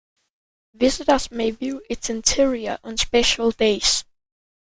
Visitors may view its interior on special days.